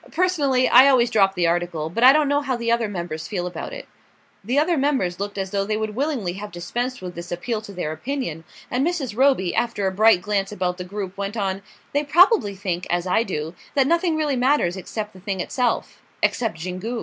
Personally, I always drop the article; but I don't know how the other members feel about it." The other members looked as though they would willingly have dispensed with this appeal to their opinion, and Mrs. Roby, after a bright glance about the group, went on: "They probably think, as I do, that nothing really matters except the thing itself except Xingu."